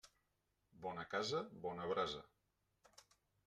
Bona casa, bona brasa.